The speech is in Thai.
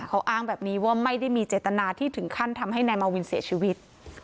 เขาอ้างแบบนี้ว่าไม่ได้มีเจตนาที่ถึงขั้นทำให้นายมาวินเสียชีวิต